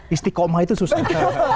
istikomah itu susah